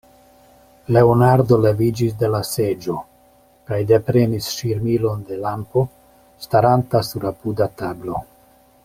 Leonardo leviĝis de la seĝo kaj deprenis ŝirmilon de lampo, staranta sur apuda tablo.